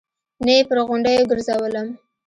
نه يې پر غونډيو ګرځولم.